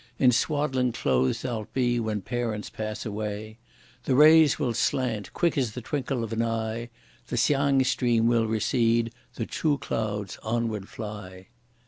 In swaddling clothes thou'lt be when parents pass away; The rays will slant, quick as the twinkle of an eye; The Hsiang stream will recede, the Ch'u clouds onward fly!